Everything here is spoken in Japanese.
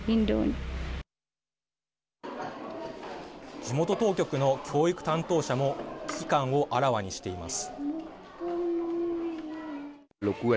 地元当局の教育担当者も危機感をあらわにしています。